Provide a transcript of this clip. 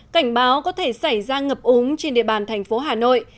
cảnh báo có thể xảy ra ngập úng trên địa bàn thành phố hà nội